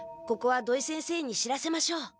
ここは土井先生に知らせましょう。